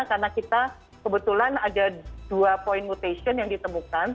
karena kita kebetulan ada dua poin mutation yang ditemukan